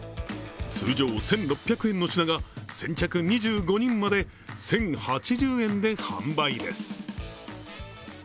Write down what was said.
通常１６００円の品が先着２５人まで１０８０円で販売です。